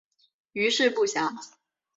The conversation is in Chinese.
余事不详。